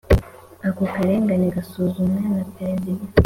Ako karengane gasuzumwa na Perezida